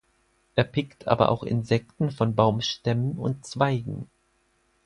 Er pickt aber auch Insekten von Baumstämmen und Zweigen.